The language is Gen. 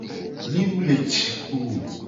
Mi mu le ci kpo o.